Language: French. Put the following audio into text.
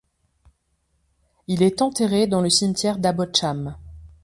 Il est enterré dans le cimetière d'Abbotsham.